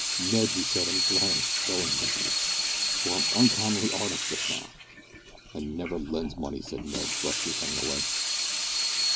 "Ned," he said, "I'm glad I fell in with you, for I'm uncommon 'ard up just now." "I never lends money," said Ned, brusquely turning away.